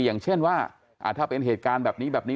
อย่างเช่นว่าถ้าเป็นเหตุการณ์แบบนี้แบบนี้